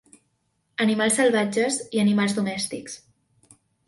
Animals salvatges i animals domèstics.